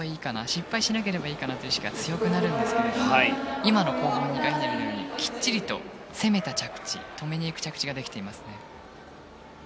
失敗しなければいいかなという意識が強くなるんですけども今の後方２回ひねりのように攻めた着地、止めに行く着地ができていますね。